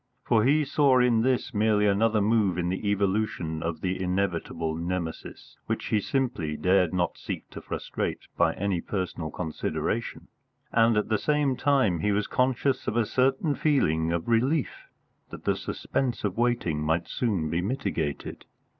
For he saw in this merely another move in the evolution of the inevitable Nemesis which he simply dared not seek to frustrate by any personal consideration; and at the same time he was conscious of a certain feeling of relief that the suspense of waiting might soon be mitigated.